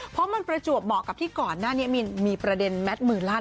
เพราะมันประจวบเหมาะกับที่ก่อนหน้านี้มีประเด็นแมทมือลั่น